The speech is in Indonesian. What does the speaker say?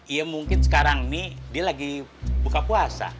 iya mungkin sekarang nih dia lagi buka puasa